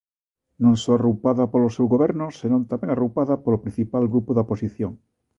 Non só arroupada polo seu goberno, senón tamén arroupada polo principal grupo da oposición.